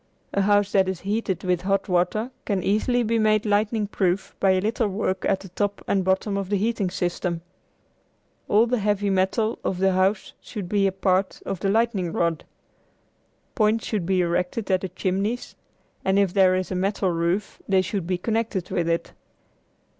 A house that is heated with hot water can easily be made lightning proof by a little work at the top and bottom of the heating system. All the heavy metal of the house should be a part of the lightning rod. Points should be erected at the chimneys, and if there is a metal roof they should be connected with it.